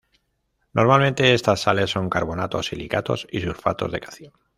Normalmente estas sales son carbonatos, silicatos y sulfatos de calcio.